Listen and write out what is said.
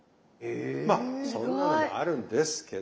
まあそんなのもあるんですけど。